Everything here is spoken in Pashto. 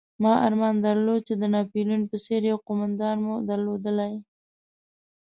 ما ارمان درلود چې د ناپلیون په څېر یو قومندان مو درلودلای.